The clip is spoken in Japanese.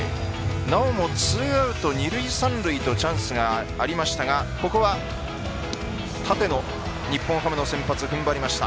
なおもツーアウト二塁三塁とチャンスがありましたが、ここは立野日本ハムの先発ふんばりました。